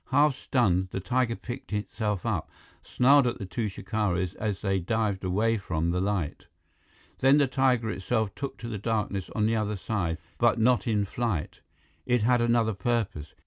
Half stunned, the tiger picked itself up, snarled at the two shikaris as they dived away from the light. Then the tiger itself took to the darkness on the other side, but not in flight. It had another purpose.